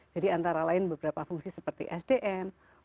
jadi antara lain beberapa fungsi seperti sdm musik dan lain lain